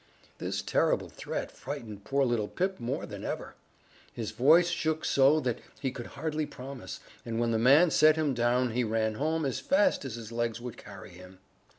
This terrible threat frightened poor little Pip more than ever. His voice shook so that he could hardly promise, and when the man set him down he ran home as fast as his legs would carry him.